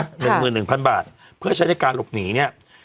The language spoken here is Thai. ใช่เงินหนึ่งพันบาทเพื่อใช้ในการหลบหนีเนี้ย